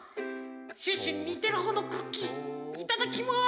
シュッシュににてるほうのクッキーいただきます。